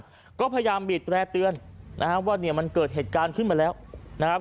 ทุกอย่างก็พยายามมีแปลเตือนนะครับว่าเนี่ยมันเกิดเหตุการณ์ขึ้นมาแล้วนะครับ